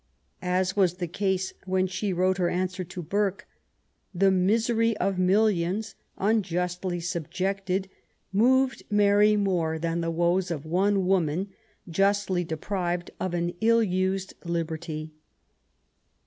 As was the case when she wrote her answer to Burke^ the misery of millions unjustly subjected moved Mary more than the woes of one woman justly deprived of an ill used liberty.